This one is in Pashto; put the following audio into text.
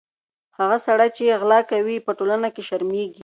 هغه سړی چې غلا کوي، په ټولنه کې شرمېږي.